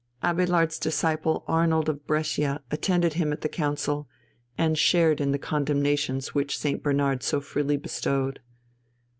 Abélard's disciple Arnold of Brescia attended him at the Council, and shared in the condemnations which St. Bernard so freely bestowed.